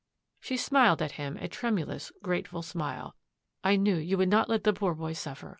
She smiled at him a tremulous, grateful smile. " I knew you would not let the poor boy suffer.